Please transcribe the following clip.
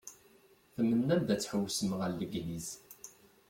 Tmennam-d ad tḥewwsem ar Legniz.